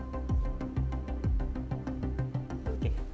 kecoa yang terkenal di dalam tubuh kecoa